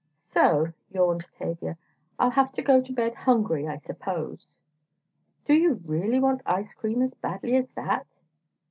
"So," yawned Tavia, "I'll have to go to bed hungry, I suppose." "Do you really want ice cream as badly as that?"